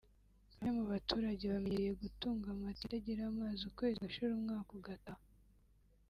bamwe mu baturage bamenyereye gutunga amatiyo atagira amazi ukwezi kugashira umwaka ugataha